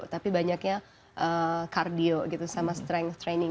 tapi banyaknya kardio gitu sama strength training